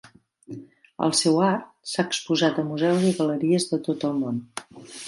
El seu art s'ha exposat a museus i galeries de tot el món.